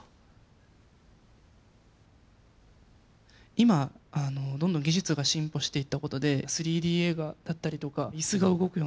今どんどん技術が進歩していった事で３Ｄ映画だったりとか椅子が動くようなものがあったりとか。